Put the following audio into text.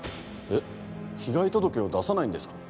えっ被害届を出さないんですか？